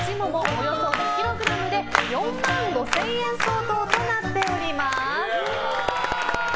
およそ２ｋｇで４万５０００円相当となっております。